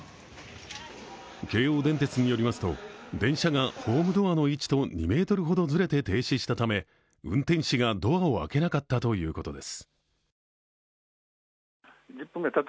京王電鉄によりますと、電車がホームドアの位置と２ｍほどずれて停止したため運転士がドアを開けなかったということです。